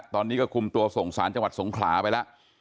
ตอนนี้ก็คุมตัวส่งสารจังหวัดสงขลาไปแล้ว